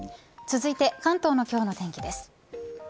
続いて、関東の今日の天気です。